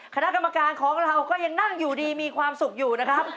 คณะกรรมการของเราก็ยังนั่งอยู่ดีมีความสุขอยู่นะครับ